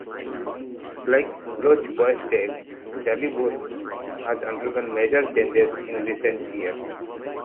Like Lochboisdale, Daliburgh has undergone major changes in recent years.